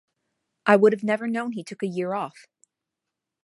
I would have never known he took a year off.